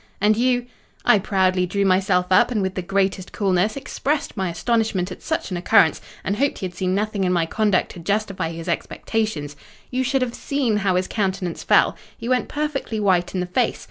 "And you—" "I proudly drew myself up, and with the greatest coolness expressed my astonishment at such an occurrence, and hoped he had seen nothing in my conduct to justify his expectations. You should have seen how his countenance fell! He went perfectly white in the face.